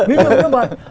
ví dụ như vậy